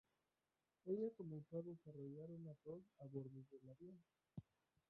Ella comenzó a desarrollar una tos a bordo del avión.